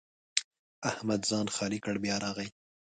احمد ځان خالي کړ؛ بیا راغی.